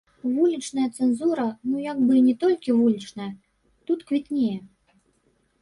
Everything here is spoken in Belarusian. Вулічная цэнзура, ну як бы і не толькі вулічная, тут квітнее.